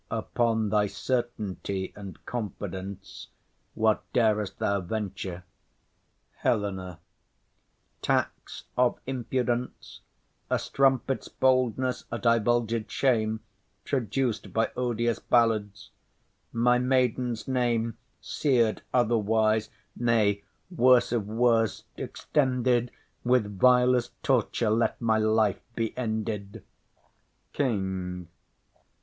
Upon thy certainty and confidence What dar'st thou venture? HELENA. Tax of impudence, A strumpet's boldness, a divulged shame, Traduc'd by odious ballads; my maiden's name Sear'd otherwise; nay worse of worst extended With vilest torture, let my life be ended. KING.